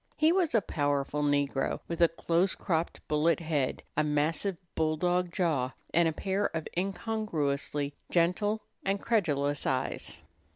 He was a powerful negro, with a close cropped bullet head, a massive bulldog jaw, and a pair of incongruously gentle and credulous eyes.